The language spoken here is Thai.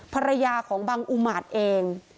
ภรรยาของบางอุมารเอง